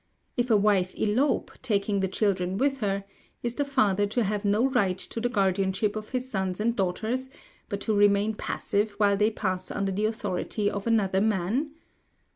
If a wife elope, taking the children with her, is the father to have no right to the guardianship of his sons and daughters, but to remain passive while they pass under the authority of another man?